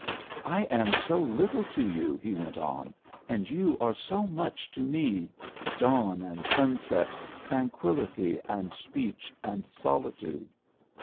"I am so little to you/' he went on, " and you are so much to me dawn, and sunset, tran quility, and speech, and solitude."